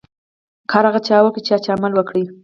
کار هغه چا وکړو، چا چي عمل وکړ.